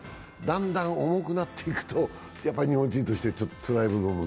だんだん重くなっていくと日本人としてつらい部分が。